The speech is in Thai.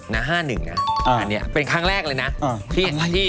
น่ะ๕๑น่ะอันนี้เป็นครั้งแรกเลยนะที่